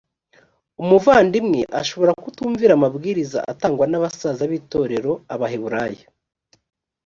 umuvandimwe ashobora kutumvira amabwiriza atangwa n abasaza b itorero abaheburayo